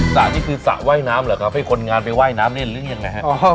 สระนี่คือสระว่ายน้ำเหรอครับให้คนงานไปว่ายน้ำเล่นหรือยังไงฮะ